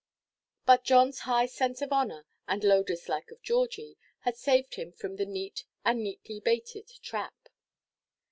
But Johnʼs high sense of honour, and low dislike of Georgie, had saved him from the neat, and neatly–baited, trap.